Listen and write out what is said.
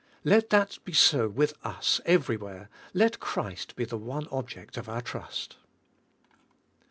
Let that be so with us ever3^where ; let Christ be the one object of our trust.